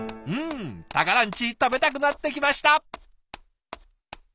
うんたからんち食べたくなってきました！